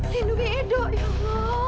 lindungi edo ya allah